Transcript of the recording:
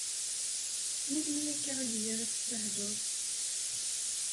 Melmi akka ihi ara tsahleḍ?